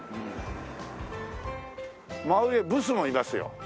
真上ブスもいますよ。